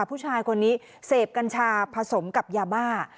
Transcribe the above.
ผู้ชายคนนี้เสพกัญชาผสมกับยาบ้า